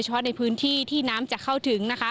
โดยช่วงในพื้นที่ที่น้ำจะเข้าถึง